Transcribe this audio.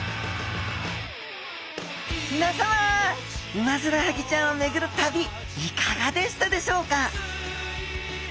ウマヅラハギちゃんをめぐるたびいかがでしたでしょうか？